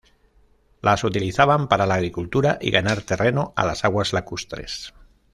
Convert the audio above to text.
Las utilizaban para la agricultura y ganar terreno a las aguas lacustres.